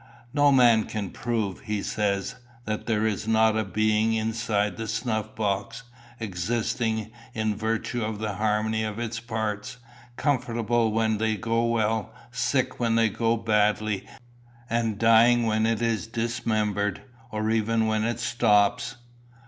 "No man can prove," he said, "that there is not a being inside the snuff box, existing in virtue of the harmony of its parts, comfortable when they go well, sick when they go badly, and dying when it is dismembered, or even when it stops."